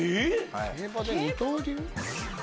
競馬で二刀流？